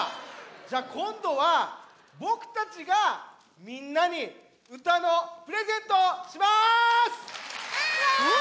じゃあこんどはぼくたちがみんなにうたのプレゼントします！わ！